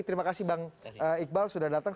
terima kasih bang iqbal sudah datang